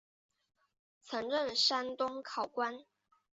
曾任山东考官。